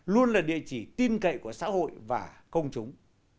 luôn là địa chỉ tin cậy của xã hội và công chúng